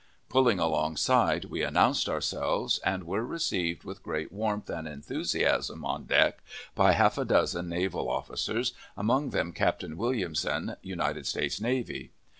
Pulling alongside, we announced ourselves, and were received with great warmth and enthusiasm on deck by half a dozen naval officers, among them Captain Williamson, United States Navy.